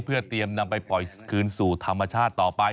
เพื่อเตรียมนำไปปล่อยคืนสู่ธรรมชาติต่อไป